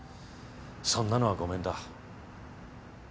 そんなのはごめんだ。